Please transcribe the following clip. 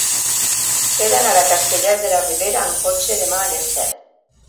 He d'anar a Castellar de la Ribera amb cotxe demà a les set.